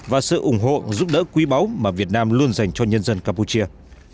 và sự ủng hộ giúp đỡ quý báu mà việt nam luôn dành cho nhân dân campuchia